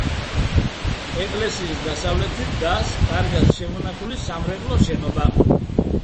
ეკლესიის დასავლეთით დგას კარგად შემონახული სამრეკლოს შენობა.